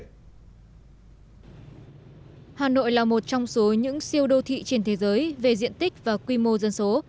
hà nội là một trong số những siêu đô thị trên thế giới về diện tích và quy mô dân số